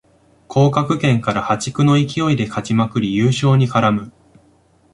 降格圏から破竹の勢いで勝ちまくり優勝に絡む